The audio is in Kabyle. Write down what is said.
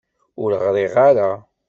Ur ɣriɣ ara